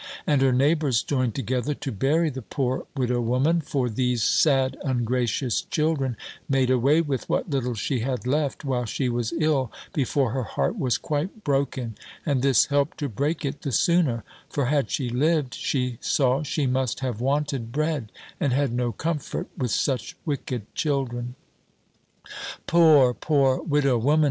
And her neighbours joined together to bury the poor widow woman: for these sad ungracious children made away with what little she had left, while she was ill, before her heart was quite broken; and this helped to break it the sooner: for had she lived, she saw she must have wanted bread, and had no comfort with such wicked children." "Poor poor widow woman!"